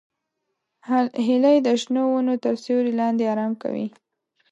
هیلۍ د شنو ونو تر سیوري لاندې آرام کوي